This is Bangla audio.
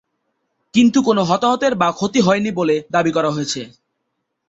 কিন্তু কোন হতাহতের বা ক্ষতি হয়নি বলে দাবী করা হয়েছে।